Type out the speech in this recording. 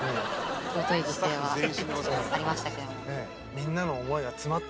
尊い犠牲はありましたけど。